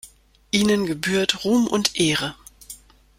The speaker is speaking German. Ihnen gebührt Ruhm und Ehre.